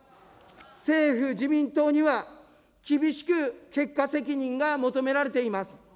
政府・自民党には、厳しく結果責任が求められています。